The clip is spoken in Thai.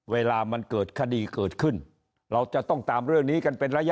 เวลามันเกิดคดีเกิดขึ้นเราจะต้องตามเรื่องนี้กันเป็นระยะ